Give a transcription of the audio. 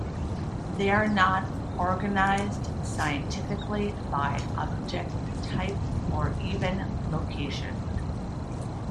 They are not organized scientifically by object type, or even by location.